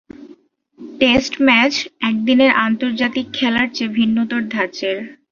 Test match একদিনের আন্তর্জাতিক খেলার চেয়ে ভিন্নতর ধাঁচের।